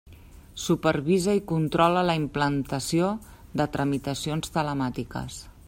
Supervisa i controla la implantació de tramitacions telemàtiques.